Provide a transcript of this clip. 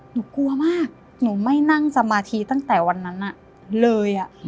หนูกลัวมากหนูไม่นั่งสมาธิตั้งแต่วันนั้นเลย